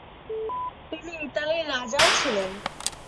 তিনি ইতালির রাজাও ছিলেন।